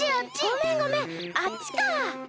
ごめんごめんあっちか。